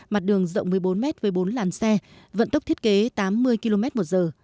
mặt đường rộng một mươi bốn mét với bốn làn xe vận tốc thiết kế tám mươi km một giờ